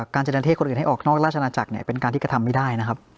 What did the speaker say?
การจะดันเทศคนอื่นให้ออกนอกราชนาจักรเป็นการที่กระทำไม่ได้นะครับ